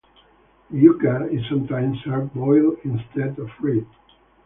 The Yuca is sometimes served boiled instead of fried.